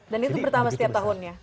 dan itu pertama setiap tahun ya